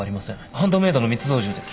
ハンドメイドの密造銃です